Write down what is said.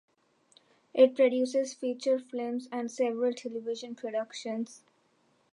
It produces feature films and several television productions.